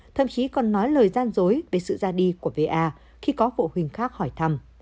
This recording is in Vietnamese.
thậm chí còn nói lời gian dối về sự ra đi của va khi có phụ huynh khác hỏi thăm